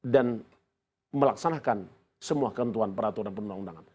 dan melaksanakan semua keentuan peraturan penduduk undangan